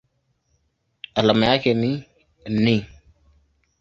Alama yake ni Ni.